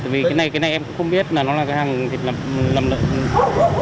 vì cái này em cũng không biết là nó là cái hàng thịt nầm lạnh